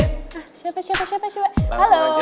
siapa siapa siapa